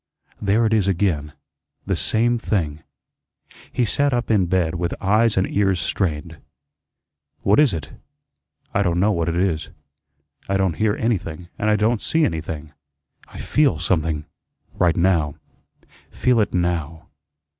There it is again the same thing." He sat up in bed with eyes and ears strained. "What is it? I don' know what it is. I don' hear anything, an' I don' see anything. I feel something right now; feel it now.